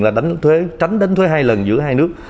là đánh thuế tránh đánh thuế hai lần giữa hai nước